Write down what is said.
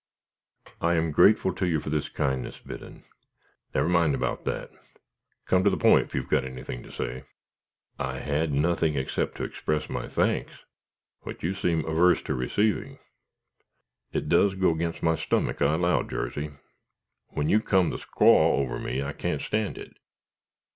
"I am grateful to you for this kindness, Biddon " "Never mind 'bout that; come to the pint ef you've got anything to say." "I had nothing except to express my thanks, which you seem averse to receiving." "It does go again my stummick, I allow, Jarsey; when you come the squaw over me, I can't stand it.